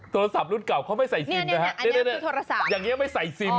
โทรศัพท์รุ่นเก่าเขาไม่ใส่ซิมนะฮะอย่างนี้ไม่ใส่ซิม